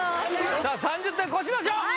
さあ３０点こしましょう！